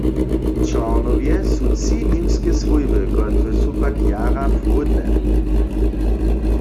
W Čornjowje su tři němske swójby, kotrež su pak jara płódne.